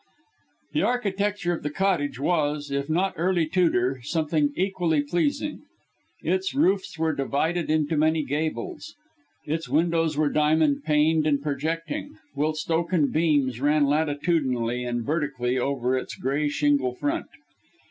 The architecture of the cottage was if not Early Tudor something equally pleasing. Its roofs were divided into many gables; its windows were diamond paned and projecting, whilst oaken beams ran latitudinally and vertically over its grey shingle front.